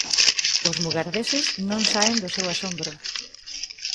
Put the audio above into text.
Os mugardeses non saen do seu asombro.